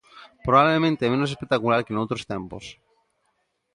Probablemente menos espectacular que noutros tempos.